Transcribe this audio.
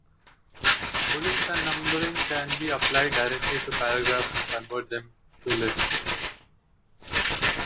Bullets and numbering can be applied directly to paragraphs and convert them to lists.